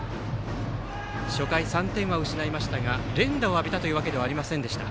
初回３点は失いましたが連打を浴びたわけではありませんでした。